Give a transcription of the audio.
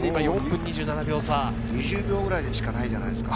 ２０秒差くらいしかないんじゃないですか。